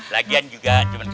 lagian juga cuma ke kaki